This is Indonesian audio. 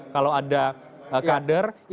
kalau ada kader yang bermasalah ya ya ya